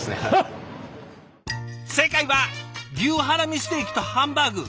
正解は牛ハラミステーキとハンバーグ。